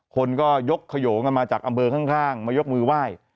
คนก็ยกขยงกันมาจากอำเภอข้างมายกมือไหว้